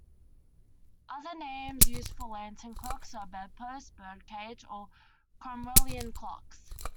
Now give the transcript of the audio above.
Other names used for lantern clocks are "bedpost", "birdcage" or "Cromwellian" clocks.